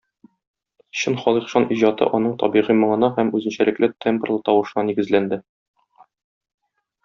Чын халыкчан иҗаты аның табигый моңына һәм үзенчәлекле тембрлы тавышына нигезләнде.